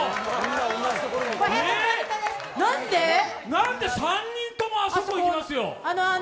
何で、３人ともあそこいきますよ。